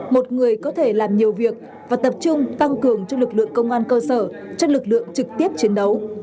một người có thể làm nhiều việc và tập trung tăng cường cho lực lượng công an cơ sở cho lực lượng trực tiếp chiến đấu